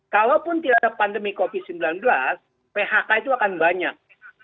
kalaupun tidak ada pandemi covid sembilan belas phk itu akan banyak